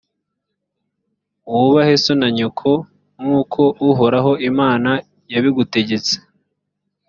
wubahe so na nyoko nk’uko uhoraho imana yabigutegetse,